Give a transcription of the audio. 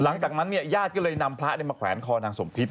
หลังจากนั้นญาติก็เลยนำพระมาแขวนคอทางสมภิษฐ์